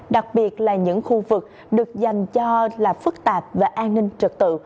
đặc biệt là những khu vực được dành cho là phức tạp về an ninh trật tự